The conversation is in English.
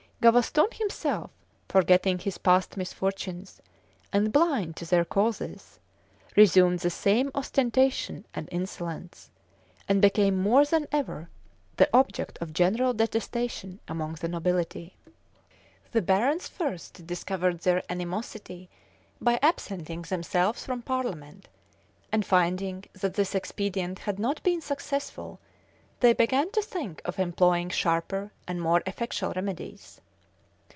Gavaston himself, forgetting his past misfortunes, and blind to their causes, resumed the same ostentation and insolence, and became more than ever the object of general detestation among the nobility. The barons first discovered their animosity by absenting themselves from parliament; and finding that this expedient had not been successful, they began to think of employing sharper and more effectual remedies.